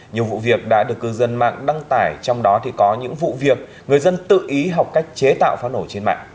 nhiều vụ việc đã được cư dân mạng đăng tải trong đó thì có những vụ việc người dân tự ý học cách chế tạo pháo nổ trên mạng